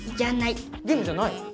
ゲームじゃない。